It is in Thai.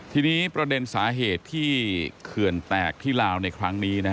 ทีนี้ประเด็นสาเหตุที่เขื่อนแตกที่ลาวในครั้งนี้